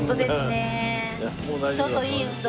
ちょっといい運動して。